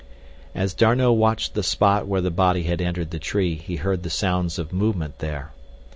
As D'Arnot watched the spot where the body had entered the tree he heard the sounds of movement there.